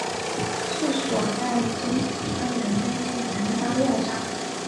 治所在今四川南江县南八庙场。